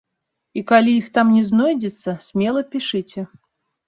І калі іх там не знойдзецца, смела пішыце.